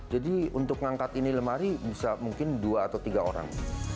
jadi untuk mengangkat ini lemari bisa mungkin dua atau tiga orang